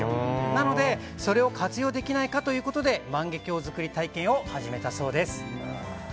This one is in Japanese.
なので、それを活用できないかということで万華鏡づくり体験を始めたそうです。